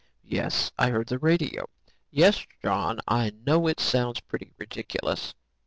Yes, I heard the radio. Yes, John, I know it sounds pretty ridiculous.